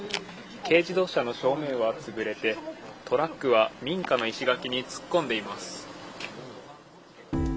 軽自動車の正面は潰れて、トラックは民家の石垣に突っ込んでいます。